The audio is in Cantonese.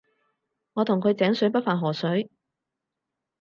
我同佢井水不犯河水